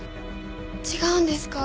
違うんですか？